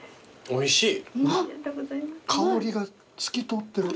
おいしい。